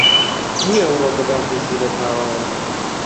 نییە ئەوڕۆکە باخی سینە پاوان